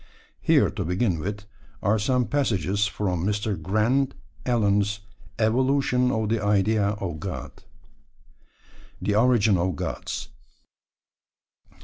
Here to begin with, are some passages from Mr. Grant Allen's Evolution of the Idea of God. THE ORIGIN OF GODS.